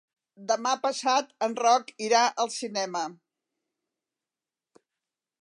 Demà passat en Roc irà al cinema.